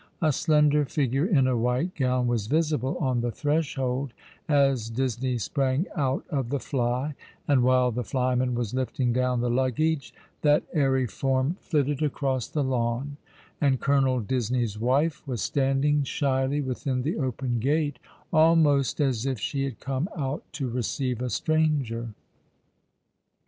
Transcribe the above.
A slender figure in a white gown was visible on the threshold, as Disney sprang out of the fly, and while the flyman was lifting down the luggage, that airy form flitted across the lawn, and Colonel Disney's wife was standing shyly within the open gate, almost as if she had come out to receive a stranger.